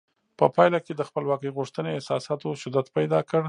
په پایله کې د خپلواکۍ غوښتنې احساساتو شدت پیدا کړ.